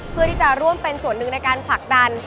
เพื่อที่จะร่วมเป็นส่วนหนึ่งในการผลักดัน